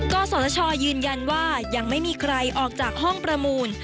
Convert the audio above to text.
กศชยืนยันว่ายังไม่มีใครออกจากห้องประมูล